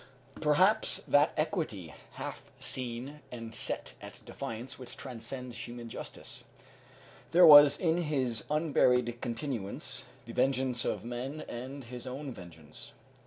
Perhaps that equity, half seen and set at defiance, which transcends human justice. There was in his unburied continuance the vengeance of men and his own vengeance.